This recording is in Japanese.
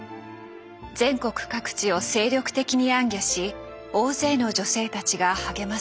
全国各地を精力的に行脚し大勢の女性たちが励まされました。